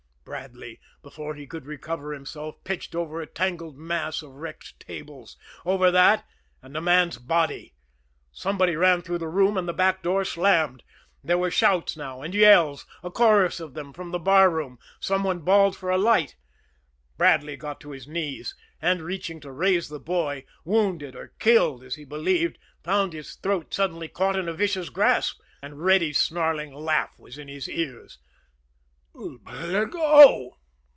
Bradley, before he could recover himself, pitched over a tangled mass of wrecked tables over that and a man's body. Somebody ran through the room, and the back door slammed. There were shouts now, and yells a chorus of them from the barroom. Some one bawled for a light. Bradley got to his knees, and, reaching to raise the boy, wounded or killed as he believed, found his throat suddenly caught in a vicious grasp and Reddy's snarling laugh was in his ears. "Let go!"